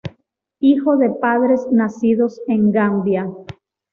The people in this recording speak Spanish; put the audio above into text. Hijo de padres nacidos en Gambia.